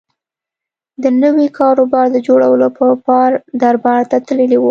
د نوي کاروبار د جوړولو په پار دربار ته تللی و.